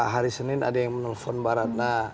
hari senin ada yang menelpon mbak ratna